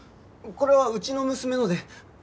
これはうちの娘ので。